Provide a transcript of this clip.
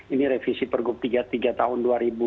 ini revisi pergub tiga puluh tiga tahun dua ribu dua puluh